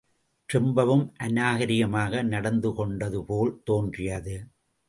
ரொம்பவும் அநாகரிகமாக நடந்து கொண்டதுபோல் தோன்றியது.